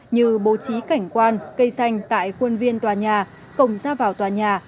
như bố trí cảnh quan cây xanh tại quân viên tòa nhà công gia vào tòa nhà